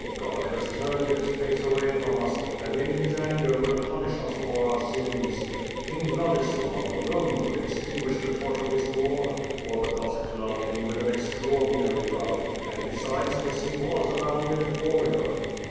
God has turned his face away from us, and in his anger, will punish us for our sins. King Vladislav, alone could extinguish the torch of this war, for the Cossacks loved him with an extra ordinary love and, besides this, he was a valiant warrior."